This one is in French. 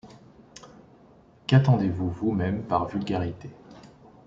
Qu’attendez-vous vous-mêmes par vulgarité?